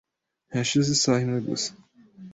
Ntihashize isaha imwe gusa